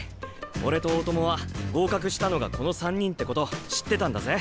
俺と大友は合格したのがこの３人ってこと知ってたんだぜ！